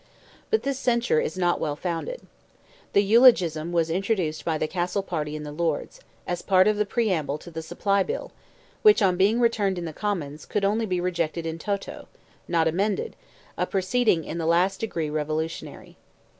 But this censure is not well founded. The eulogium was introduced by the Castle party in the Lords, as part of the preamble to the Supply Bill, which, on being returned to the Commons, could only be rejected in toto, not amended—a proceeding in the last degree revolutionary.